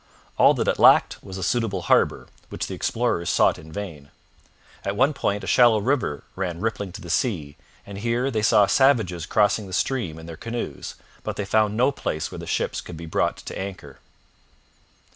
All that it lacked was a suitable harbour, which the explorers sought in vain. At one point a shallow river ran rippling to the sea, and here they saw savages crossing the stream in their canoes, but they found no place where the ships could be brought to anchor.